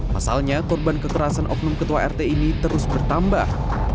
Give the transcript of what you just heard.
pasalnya korban kekerasan oknum ketua rt ini terus bertambah